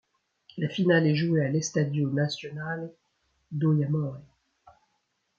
La finale est jouée à l'Estádio Nacional do Jamor.